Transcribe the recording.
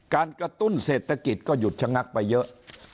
การกระตุ้นเศรษฐกิจก็หยุดชะงักไปเยอะ